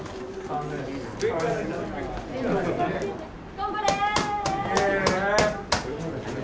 頑張れ！